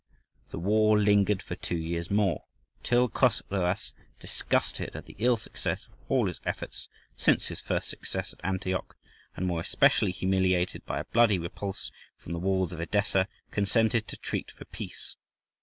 The war lingered for two years more, till Chosroës, disgusted at the ill success of all his efforts since his first success at Antioch, and more especially humiliated by a bloody repulse from the walls of Edessa, consented to treat for peace [A.